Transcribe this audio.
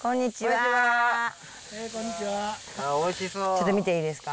ちょっと見ていいですか？